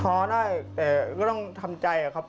พอได้แต่ก็ต้องทำใจครับ